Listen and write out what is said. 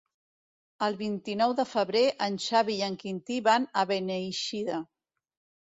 El vint-i-nou de febrer en Xavi i en Quintí van a Beneixida.